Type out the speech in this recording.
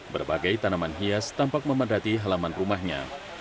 berbagai tanaman hias tampak memadati halaman rumahnya